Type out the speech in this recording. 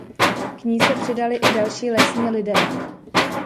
K ní se přidali i další lesní lidé.